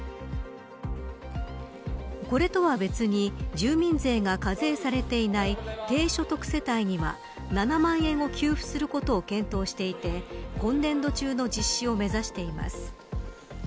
これとは別に住民税が課税されていない低所得世帯には７万円を給付することを検討していて今年度中の実施を目指しています。